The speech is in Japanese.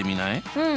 うん。